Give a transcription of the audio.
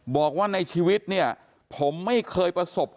บอกว่าในชีวิตเนี่ยผมไม่เคยประสบ